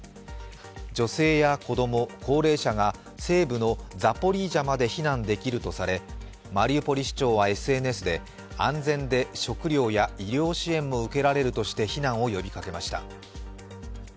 女性や子供、高齢者が西部のザポリージャまで避難できるとされ、マリウポリ市長はＳＮＳで安全で食料や医療支援も受けられるとして避難を呼びかけました。